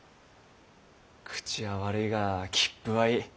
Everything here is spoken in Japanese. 口は悪いが気風はいい。